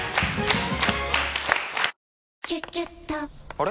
あれ？